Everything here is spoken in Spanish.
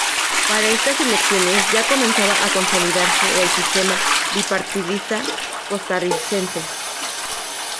Para estas elecciones ya comenzaba a consolidarse el sistema bipartidista costarricense.